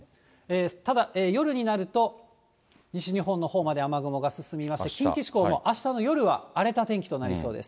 ただ夜になると、西日本のほうまで雨雲が進みまして、近畿地方もあしたの夜は荒れた天気となりそうです。